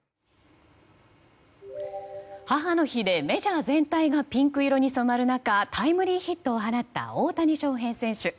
母の日でメジャー全体がピンク色に染まる中タイムリーヒットを放った大谷翔平選手。